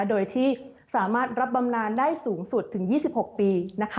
โดยที่สามารถรับบำนานได้สูงสุดถึง๒๖ปี